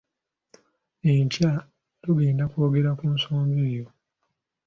Enkya tugenda kwogera ku nsonga eyo.